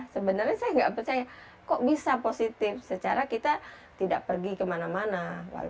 sebenarnya saya nggak percaya kok bisa positif secara kita tidak pergi kemana mana